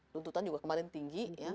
luntutan juga kemarin tinggi